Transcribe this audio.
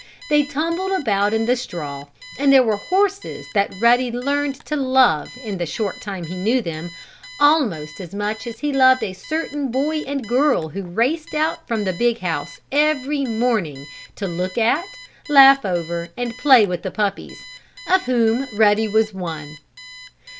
They tumbled about in the straw, and there were horses that Ruddy learned to love, in the short time he knew them, almost as much as he loved a certain boy and girl who raced out from the big house, every morning, to look at, laugh over and play with the puppies, of whom Ruddy was one.